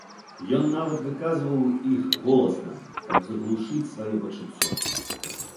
Ён нават выказваў іх голасна, каб заглушыць сваё пачуццё.